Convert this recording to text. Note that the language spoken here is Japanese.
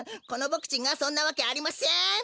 このボクちんがそんなわけありません！